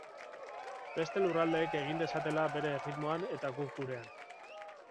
Beste lurraldeek egin dezatela beren erritmoan eta guk gurean.